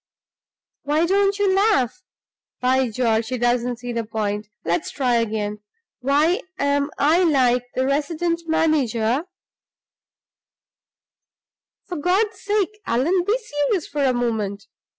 Why don't you laugh? By George, he doesn't see the point! Let's try again. Why am I like the resident manager " "For God's sake, Allan, be serious for a moment!"